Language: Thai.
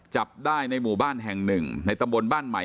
จับได้ในหมู่บ้านแห่งหนึ่งในตำบลบ้านใหม่